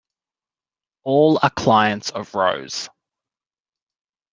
All are clients of Rose.